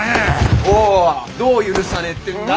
おうどう許さねえってんだ。